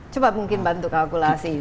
coba mungkin bantu kalkulasi